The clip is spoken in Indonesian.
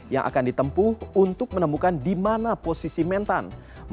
yang akan ditempuh untuk menemukan di mana posisi mentan